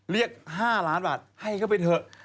เรียก๕ล้านบาทให้เข้าไปเถอะ